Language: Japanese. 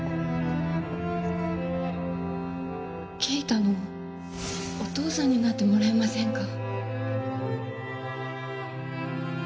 圭太のお父さんになってもらえませんか？